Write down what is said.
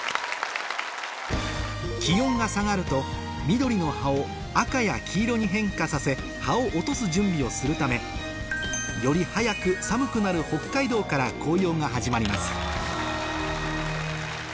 気温が下がると緑の葉を赤や黄色に変化させ葉を落とす準備をするためよりが始まります